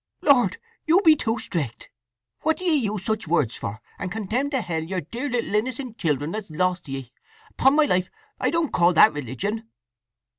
"Lord, you be too strict! What do ye use such words for, and condemn to hell your dear little innocent children that's lost to 'ee! Upon my life I don't call that religion!"